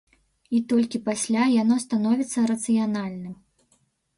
І толькі пасля яно становіцца рацыянальным.